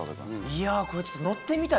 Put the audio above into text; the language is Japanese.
いやこれちょっと。